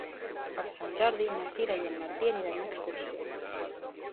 Per Sant Jordi na Sira i en Martí aniran d'excursió.